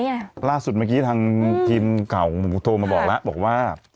เตือนเอาไว้ล่าสุดเมื่อกี้ทางทีมเก่าผมโทรมาบอกแล้วบอกว่า